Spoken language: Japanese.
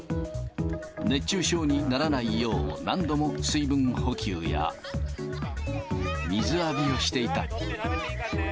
熱中症にならないよう、何度も水分補給や、水浴びをしていた。